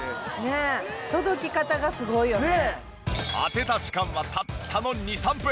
当てた時間はたったの２３分。